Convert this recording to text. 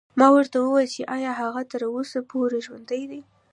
ما ورته وویل چې ایا هغه تر اوسه پورې ژوندی دی.